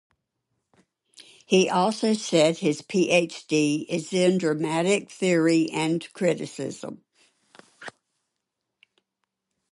He also said his PhD is in dramatic theory and criticism.